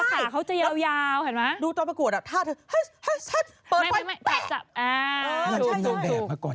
ไม่ใช่ไปหาสมุทรฉันตั้งแต่สมัย